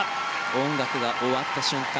音楽が終わった瞬間